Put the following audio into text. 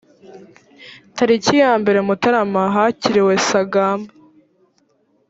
tariki ya mbere mutarama hakiriwe sagamba